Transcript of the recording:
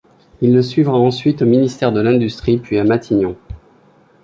Il le suivra ensuite au ministère de l'Industrie, puis à Matignon.